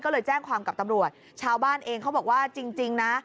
ก็เลยแจ้งความกับตำรวจชาวบ้านเองเขาบอกว่าจริงนะ